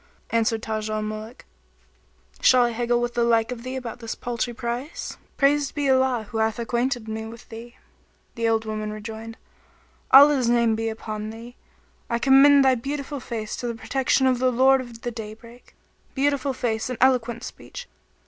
Answered Taj al Muluk, "Shall I haggle with the like of thee about this paltry price? Praised be Allah who hath acquainted me with thee!" The old woman rejoined, "Allah's name be upon thee! I commend thy beautiful face to the protection of the Lord of the Daybreak.[FN#29] Beautiful face and eloquent speech!